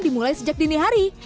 dimulai sejak dini hari